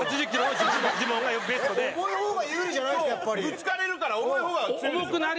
ぶつかれるから重い方が強いですよ。